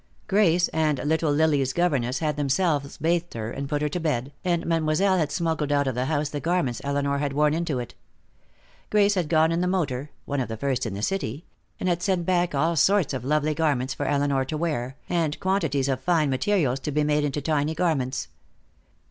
Grace and little Lily's governess had themselves bathed her and put her to bed, and Mademoiselle had smuggled out of the house the garments Elinor had worn into it. Grace had gone in the motor one of the first in the city and had sent back all sorts of lovely garments for Elinor to wear, and quantities of fine materials to be made into tiny garments.